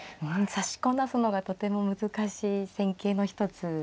指しこなすのがとても難しい戦型の一つ。